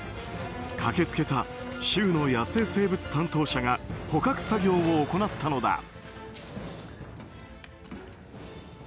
駆け付けた州の野生生物担当者が捕獲作業を行ったのだ。